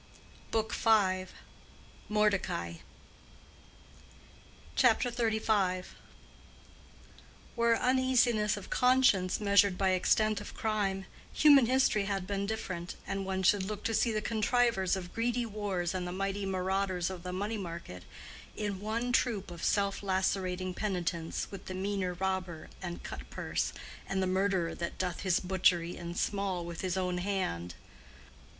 BOOK V.—MORDECAI. CHAPTER XXXV. Were uneasiness of conscience measured by extent of crime, human history had been different, and one should look to see the contrivers of greedy wars and the mighty marauders of the money market in one troop of self lacerating penitents with the meaner robber and cut purse and the murderer that doth his butchery in small with his own hand.